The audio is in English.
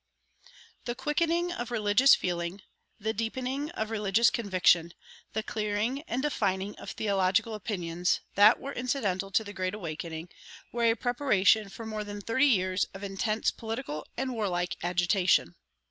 The quickening of religious feeling, the deepening of religious conviction, the clearing and defining of theological opinions, that were incidental to the Great Awakening, were a preparation for more than thirty years of intense political and warlike agitation.